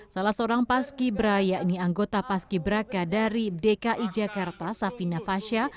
salah seorang pas kibra yakni anggota pas kibraka dari dki jakarta safina fasya